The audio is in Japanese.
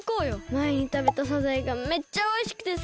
まえにたべたサザエがめっちゃおいしくてさ！